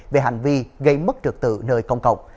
về hành vi gây mất trực tự nơi công cộng